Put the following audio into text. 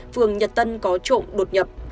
phường nhật tân có trộm đột nhập